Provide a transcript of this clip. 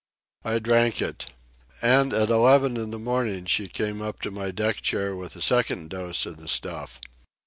I drank it. And at eleven in the morning she came up to my deck chair with a second dose of the stuff.